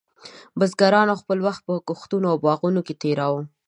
بزګرانو خپل وخت په کښتونو او باغونو کې تېراوه.